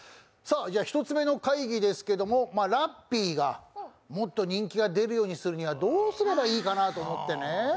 一つ目の会議ですけど、ラッピーがもっと人気が出るようにするにはどうすればいいかなと思ってね。